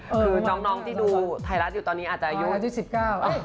คือน้องที่ดูไทเลยตอนนี้อาจจะอยู่๑๙เหรอ